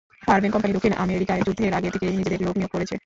ফারবেন company দক্ষিণ আমেরিকায় যুদ্ধের আগে থেকেই নিজেদের লোক নিয়োগ করেছে।